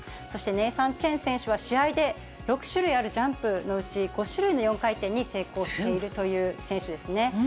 そしてネイサン・チェン選手は試合で、６種類あるジャンプのうち、５種類の４回転に成功しているという選手ですね。